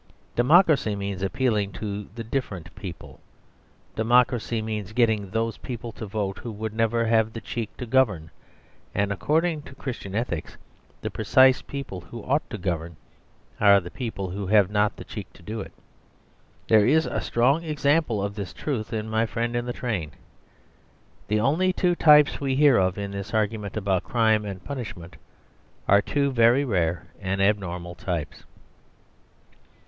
Democracy means appealing to the different people. Democracy means getting those people to vote who would never have the cheek to govern: and (according to Christian ethics) the precise people who ought to govern are the people who have not the cheek to do it. There is a strong example of this truth in my friend in the train. The only two types we hear of in this argument about crime and punishment are two very rare and abnormal types.